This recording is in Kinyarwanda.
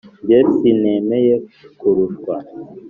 jye sinemeye kurushwa.